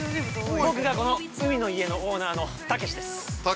僕がこの海の家のオーナーのタケシです。